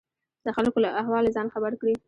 د خلکو له احواله ځان خبر کړي.